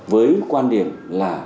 với quan điểm là